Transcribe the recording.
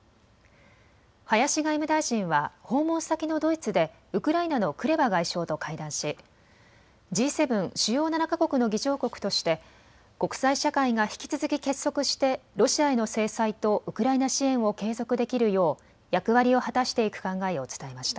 林外務大臣は訪問先のドイツでウクライナのクレバ外相と会談しＧ７・主要７か国の議長国として国際社会が引き続き結束してロシアへの制裁とウクライナ支援を継続できるよう役割を果たしていく考えを伝えました。